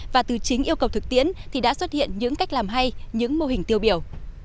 và từ chính yêu cầu thực tiễn thì đã xuất hiện những cách làm hay những mô hình tiêu biểu